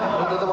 sudah tutup ya